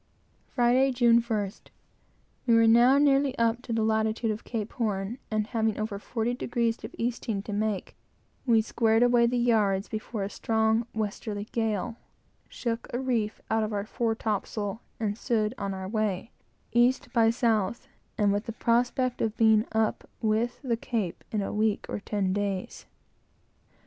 Friday, July 1st. We were now nearly up to the latitude of Cape Horn, and having over forty degrees of easting to make, we squared away the yards before a strong westerly gale, shook a reef out of the fore topsail, and stood on our way, east by south, with the prospect of being up with the Cape in a week or ten days.